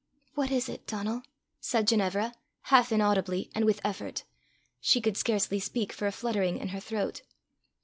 "What is it, Donal?" said Ginevra, half inaudibly, and with effort: she could scarcely speak for a fluttering in her throat.